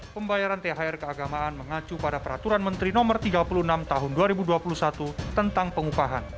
pembayaran thr keagamaan mengacu pada peraturan menteri no tiga puluh enam tahun dua ribu dua puluh satu tentang pengupahan